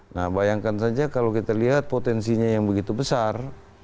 nah bayangkan saja kalau kita lihat potensinya yang begitu besar